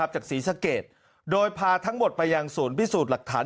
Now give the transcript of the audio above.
ศรีสะเกดโดยพาทั้งหมดไปยังศูนย์พิสูจน์หลักฐาน